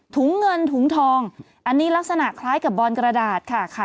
ถุงเงินถุงทองอันนี้ลักษณะคล้ายกับบอนกระดาษค่ะ